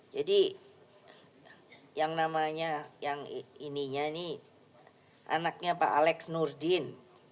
jadi yang namanya yang ininya nih anaknya pak alex nurdin